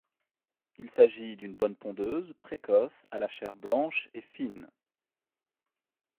Il s'agit d'une bonne pondeuse précoce à la chair blanche et fine.